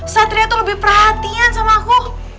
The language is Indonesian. satria tuh lebih perhatian sama aku